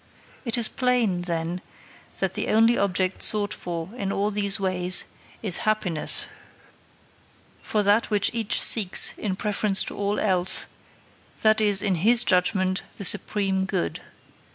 It is plain, then, that the only object sought for in all these ways is happiness. For that which each seeks in preference to all else, that is in his judgment the supreme good.